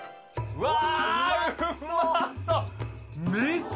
うわ！